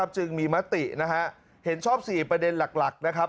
จึงมีมติเห็นชอบ๔ประเด็นหลักนะครับ